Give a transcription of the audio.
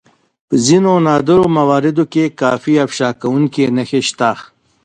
په ځينو نادرو مواردو کې کافي افشا کوونکې نښې شته.